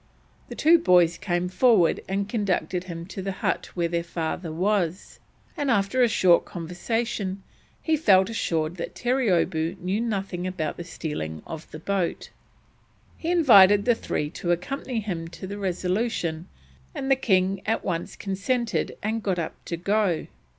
The two boys came forward and conducted him to the hut where their father was, and after a short conversation he felt assured that Terreeoboo knew nothing about the stealing of the boat. He invited the three to accompany him to the Resolution, and the king at once consented and got up to go.